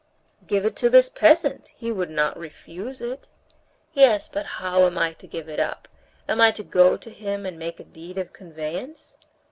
"Give it to this peasant, he would not refuse it." "Yes, but how am I to give it up? Am I to go to him and make a deed of conveyance?"